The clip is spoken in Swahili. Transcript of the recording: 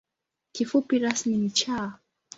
Kifupi rasmi ni ‘Cha’.